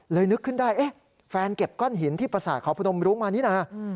นึกขึ้นได้แฟนเก็บก้อนหินที่ประสาทเขาพนมรุ้งมานี่นะ